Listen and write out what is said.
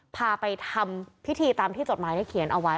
พาไปทำพิธีตามที่จดหมายได้เขียนเอาไว้